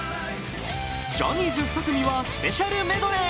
ジャニーズ２組はスペシャルメドレー。